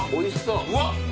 うわっ！